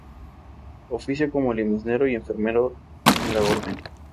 Oficio como limosnero y enfermero en la orden.